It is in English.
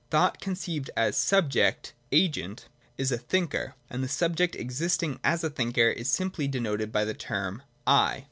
Thought conceived as a subject (agent) is a thinker, and the subject existing as a thinker is simply denoted by the term 'I.'